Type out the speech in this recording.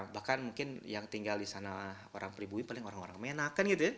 bahkan mungkin yang tinggal di sana orang pribumi paling orang orang mena